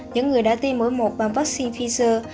những người đã tiêm mũi một bằng vaccine pfizer